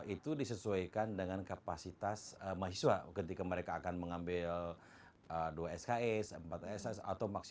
itu disesuaikan dengan kapasitas mahasiswa ketika mereka akan mengambil dua sks empat sks